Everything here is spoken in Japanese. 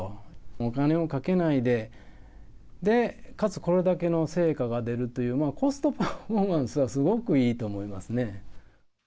お金をかけないで、かつこれだけの成果が出るという、コストパフォーマンスはすごくいいと思いますね。